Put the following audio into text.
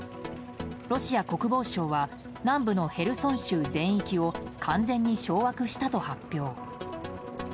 ロシア国防省は南部のへルソン州全域を完全に掌握したと発表。